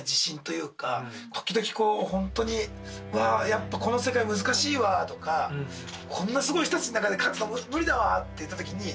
時々やっぱこの世界難しいわ！とかこんなすごい人たちの中で勝つのは無理だわ！って時に。